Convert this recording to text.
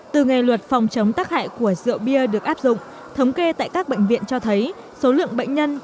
từ ngày luật phòng chống tắc hại của rượu bia được áp dụng thống kê tại các bệnh viện cho thấy số lượng bệnh nhân